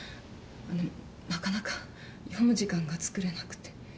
でもなかなか読む時間がつくれなくて。